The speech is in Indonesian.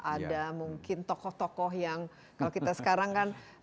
ada mungkin tokoh tokoh yang kalau kita sekarang kan